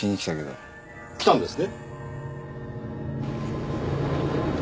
来たんですね？